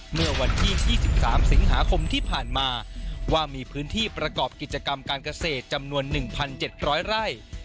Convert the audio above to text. เมื่อวันที่๒๓สิงหาคมที่ผ่านมาว่ามีพื้นที่ประกอบกิจกรรมการเกษตรจำนวน๑๗๐๐ไร่